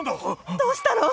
どうしたの？